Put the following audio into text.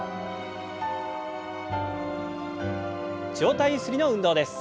上体ゆすりの運動です。